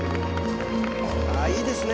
ああいいですね